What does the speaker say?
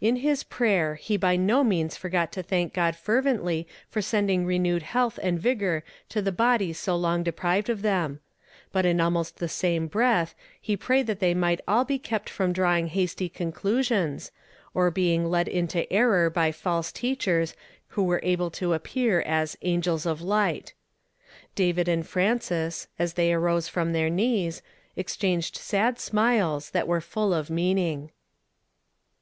In his prayer he by no means forgot to thank God fervently for sending renewed health and vigor to the body so long deprived of them ; hut in alm(5st the same Ijreath he prayed that they might all be kept from drawing hasty conclusifins, or being hid into error by false teachers, who were able to appear as " angels of light." David and Frances, as they arose from their knees, exchanged sad smiles that were full of meaning.